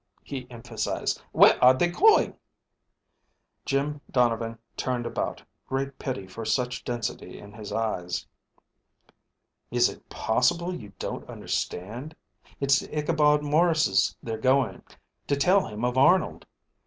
he emphasized. "Where are they going?" Jim Donovan turned about, great pity for such density in his eyes. "Is it possible you don't understand? It's to Ichabod Maurice's they're going, to tell him of Arnold."